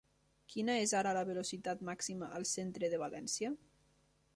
Quina és ara la velocitat màxima al centre de València?